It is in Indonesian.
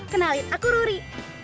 kenalin aku ruri